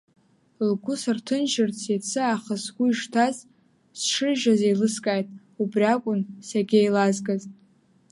Лгәы сырҭынчырц иацы аахыс сгәы ишҭаз, сшыржьаз еилыскааит, убри акәын сагьеилазгаз.